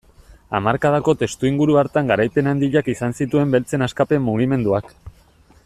Hamarkadako testuinguru hartan garaipen handiak izan zituen beltzen askapen mugimenduak.